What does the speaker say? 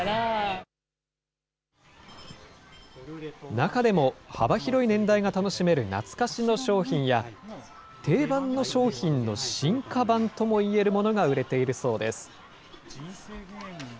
中でも、幅広い年代が楽しめる懐かしの商品や、定番の商品の進化版ともいえるものが売れているそうです。